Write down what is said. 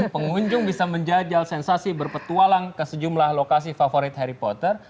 pengunjung bisa menjajal sensasi berpetualang ke sejumlah lokasi favorit harry potter